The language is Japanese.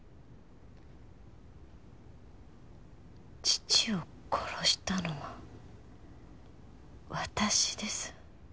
「父を殺したのは私です」。